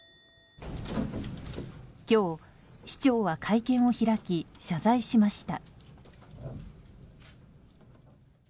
今日、市長は会見を開き謝罪しました。